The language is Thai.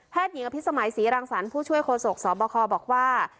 แพทย์หญิงอภิษฐสมัยศรีรังสรรค์ผู้ช่วยโครโศกสบคบอกว่า